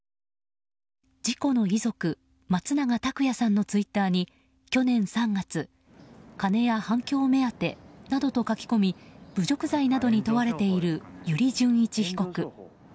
事故の遺族松永拓也さんのツイッターに去年３月金や反響目当てなどと書き込み侮辱罪などに問われている油利潤一被告。